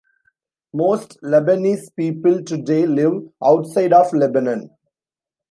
Most Lebanese people today live outside of Lebanon.